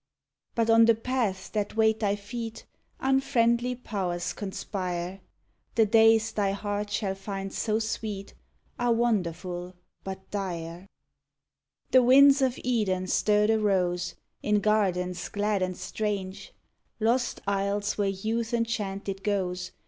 But on the paths that wait thy feet Unfriendly powers conspire; The days thy heart shall find so sweet Are wonderful but dire: 117 TO MY SISTER. The winds of Eden stir the rose In gardens glad and strange, Lost isles where Youth enchanted goes.